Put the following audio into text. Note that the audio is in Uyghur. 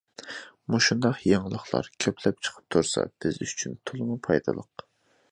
مۇشۇنداق يېڭىلىقلار كۆپلەپ چىقىپ تۇرسا، بىز ئۈچۈن تولىمۇ پايدىلىق.